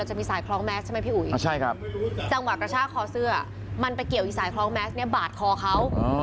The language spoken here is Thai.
ใช่ไหมพี่อุ๊ยจังหวัดกระชากคอเสื้อมันไปเกี่ยวอีสายคล้องแม็กซ์เนี่ยบาดคอเขา